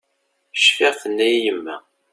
Cfiɣ tenna-yi yemma.